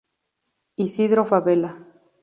Isidro Fabela.